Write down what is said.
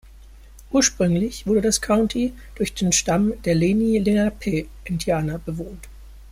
Ursprünglich wurde das County durch den Stamm der Lenni Lenape-Indianer bewohnt.